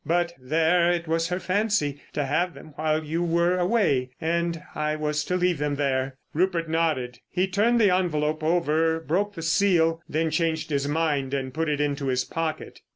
But, there, it was her fancy to have them while you were away, and I was to leave them there." Rupert nodded. He turned the envelope over, broke the seal, then changed his mind, and put it into his pocket.